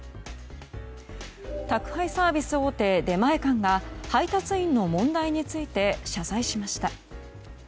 宅配サービス大手出前館が、配達員の問題について謝罪しました。